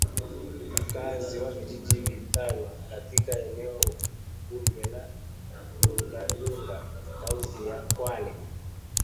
Wakaazi wa vijiji vitano katika eneo bunge la Lungalunga kaunti ya Kwale